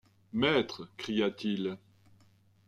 Maître », cria-t-il.